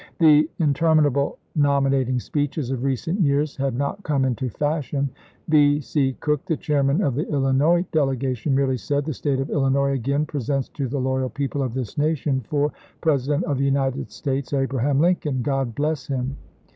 The interminable nominat ing speeches of recent years had not come into fashion: B. C. Cook, the chairman of the Illinois delegation, merely said, " The State of Illinois again presents to the loyal people of this nation, for 72 ABRAHAM LINCOLN chap. hi. President of the United States, Abraham Lincoln — God bless him